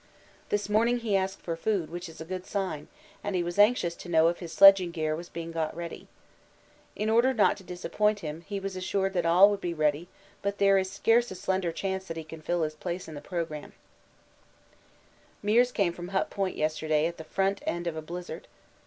This morning he asked for food, which is a good sign, and he was anxious to know if his sledging gear was being got ready. In order not to disappoint him he was assured that all would be ready, but there is scarce a slender chance that he can fill his place in the programme. Meares came from Hut Point yesterday at the front end of a blizzard.